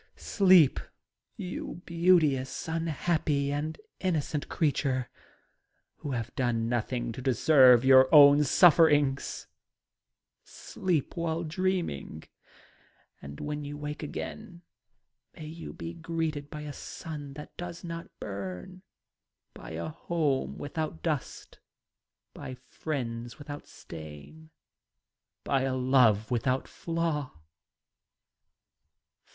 — Sleep, you beauteous, unhappy and innocent creature, who have done nothing to deserve your own sufferings ! Sleep without dreaming, and when you wake again — ^may you be greeted by a sun that does not biuni, by a home without dust J ?v friends without stain, by a love without flaw